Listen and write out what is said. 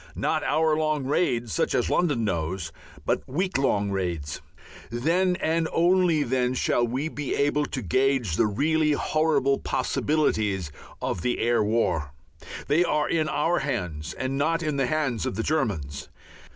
Not hour long raids such as London knows, but week long raids. Then and then only shall we be able to gauge the really horrible possibilities of the air war. They are in our hands and not in the hands of the Germans.